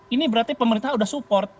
ini berarti pemerintah sudah support